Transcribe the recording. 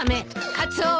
カツオは？